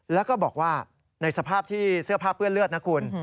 แล้วก็บอกว่าในสภาพที่เสื้อผ้าเปื้อนเลือดนะคุณ